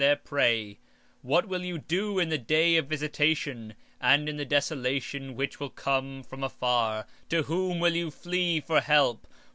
20:3 And what will ye do in the day of visitation, and in the desolation which shall come from far? to whom will ye flee for help?